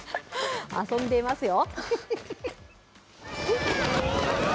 遊んでいますよ。